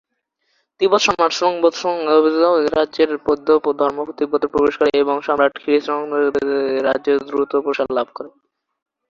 তিব্বত সম্রাট স্রোং-ব্ত্সন-স্গাম-পোর রাজত্বে বৌদ্ধ ধর্ম তিব্বতে প্রবেশ করে এবং সম্রাট খ্রি-স্রোং-ল্দে-ব্ত্সানের রাজত্বে দ্রুত প্রসার লাভ করে।